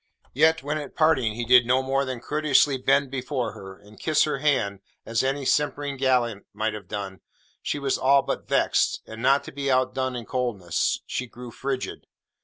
Yet, when at parting he did no more than courteously bend before her, and kiss her hand as any simpering gallant might have done, she was all but vexed, and not to be outdone in coldness, she grew frigid.